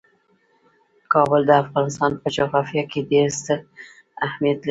کابل د افغانستان په جغرافیه کې ډیر ستر اهمیت لري.